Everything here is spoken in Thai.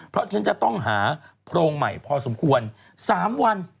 เพราะฉันจะต้องหาโพรงใหม่พอสมควร๓วัน